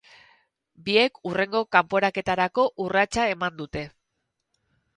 Biek hurrengo kanporaketarako urratsa eman dute.